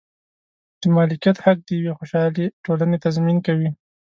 د مالکیت حق د یوې خوشحالې ټولنې تضمین کوي.